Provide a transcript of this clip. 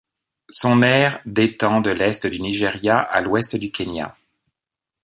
Son aire d'étend de l'est du Nigeria à l'ouest du Kenya.